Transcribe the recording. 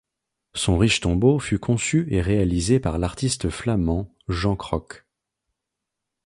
Son riche tombeau fut conçu et réalisé par l'artiste flamand Jean Crocq.